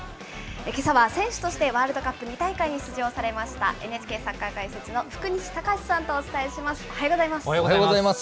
けさは選手として、ワールドカップ２大会に出場されました、ＮＨＫサッカー解説の福西崇史さんとお伝えします。